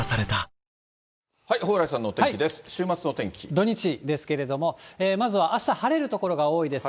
土日ですけれども、まずは、あした晴れる所が多いです。